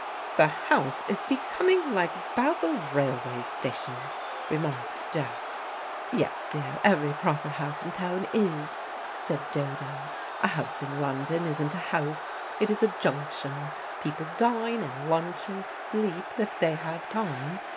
"The house is becoming like Basle railway station," remarked Jack. "Yes, dear. Every proper house in town is," said Dodo. "A house in London isn't a house, it is a junction. People dine and lunch and sleep if they have time.